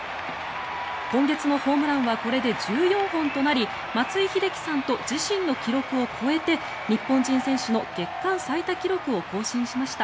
今月のホームランはこれで１４本となり松井秀喜さんと自身の記録を超えて日本人選手の月間最多記録を更新しました。